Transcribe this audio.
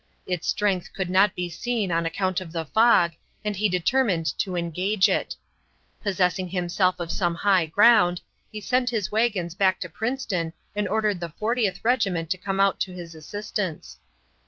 Its strength could not be seen on account of the fog, and he determined to engage it. Possessing himself of some high ground, he sent his wagons back to Princeton and ordered the Fortieth Regiment to come out to his assistance.